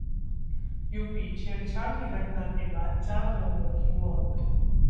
UP छेड़छाड़ की घटना के बाद चार लोगों की मौत